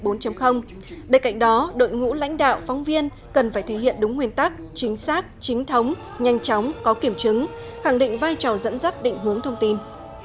bên cạnh đó đội ngũ lãnh đạo phóng viên cần phải thể hiện đúng nguyên tắc chính xác chính thống nhanh chóng có kiểm chứng khẳng định vai trò dẫn dắt định hướng thông tin